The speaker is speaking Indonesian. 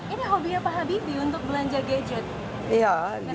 ini hobinya pak habibie untuk belanja gadget